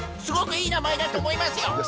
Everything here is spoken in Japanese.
すごくいいなまえだとおもいますよ！